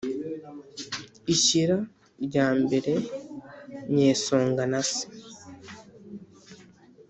ishyira ryambaye nyesonga na se